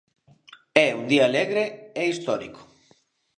É un día alegre e histórico.